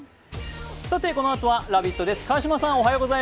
このあとは「ラヴィット！」です川島さん